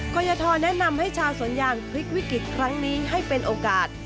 กรยทรแนะนำให้ชาวสวนยางพลิกวิกฤตครั้งนี้ให้เป็นโอกาส